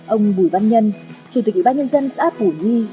ông bùi văn nhân chủ tịch ủy ban nhân dân sát bùi văn nhân